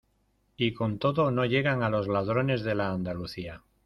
y con todo no llegan a los ladrones de la Andalucía.